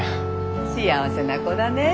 幸せな子だねえ！